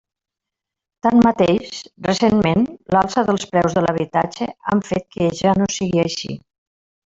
Tanmateix, recentment, l'alça dels preus de l'habitatge han fet que ja no sigui així.